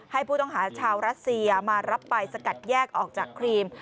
ให้ผู้ต้องหาชาวรัสเซียมารับไปสกัดแยกออกจากครีม